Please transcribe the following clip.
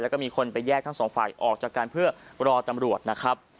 แล้วก็มีคนไปแยกทั้งสองฝ่ายออกจากกันเพื่อรอตำรวจนะครับ